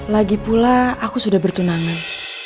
lagi pula aku sudah bertunangan